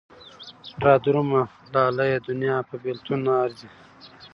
را درومه لالیه دونيا په بېلتون نه ارځي